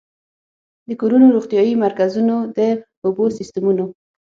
د کورونو، روغتيايي مرکزونو، د اوبو سيستمونو